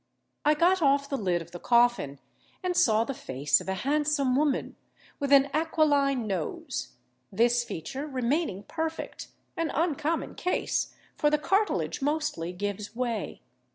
I got off the lid of the coffin, and saw the face of a handsome woman, with an aquiline nose; this feature remaining perfect, an uncommon case, for the cartilage mostly gives way.